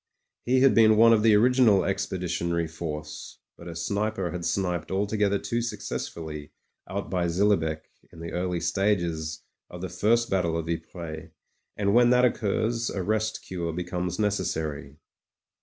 He had been one of the original Expeditionary Force; but a sniper had sniped altogether too successfully out by Zillebecke in the early stages of the first battle of Ypres, and when that occurs a rest cure becomes necessary.